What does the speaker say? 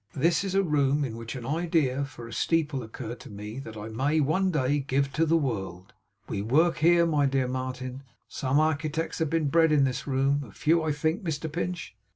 This is a room in which an idea for a steeple occurred to me that I may one day give to the world. We work here, my dear Martin. Some architects have been bred in this room; a few, I think, Mr Pinch?